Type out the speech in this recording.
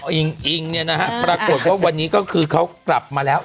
อิงอิงเนี่ยนะฮะปรากฏว่าวันนี้ก็คือเขากลับมาแล้ว